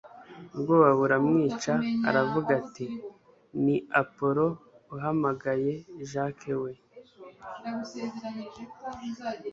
ubwoba buramwica aravuga ati ni appolo uhamagaye jack we